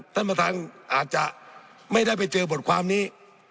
ท่านประธานอาจจะไม่ได้ไปเจอบทความนี้